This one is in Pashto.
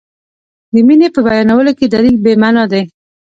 د مینې په بیانولو کې دلیل بې معنا دی.